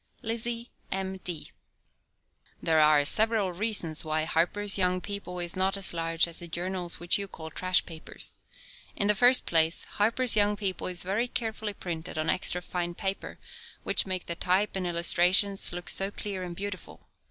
LIZZIE M. D. There are several reasons why Harper's Young People is not as large as the journals which you call "trash" papers. In the first place, Harper's Young People is very carefully printed on extra fine paper, which make the type and illustrations look so clear and beautiful.